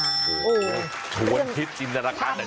โอ้โหชวนคิดจริงแต่ราคาแต่เช้าเลย